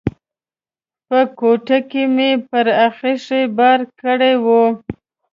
په کوټه کې مې پر اخښي بار کړی و.